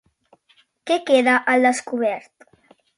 Què queda al descobert?